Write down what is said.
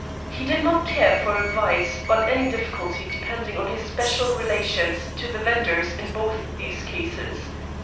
He did not care for advice on any difficulty depending on his special relations to the vendors in both these cases.